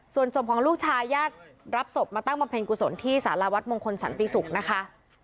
ส่วนศพของลูกชายญาติรับศพมาตั้งบำเพ็ญกุศลที่สารวัตรมงคลสันติศุกร์นะคะ